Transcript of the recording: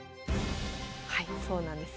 はいそうなんです。